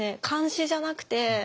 監視じゃなくて。